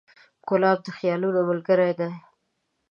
ګلاب د خیالونو ملګری دی.